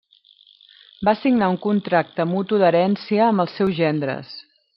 Va signar un contracte mutu d'herència amb els seus gendres.